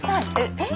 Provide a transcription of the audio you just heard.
えっ。